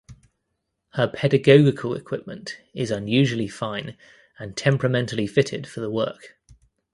Her pedagogical equipment is unusually fine and temperamentally fitted for the work.